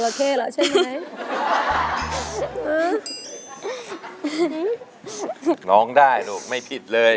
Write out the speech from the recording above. ร้องได้ลูกไม่ผิดเลย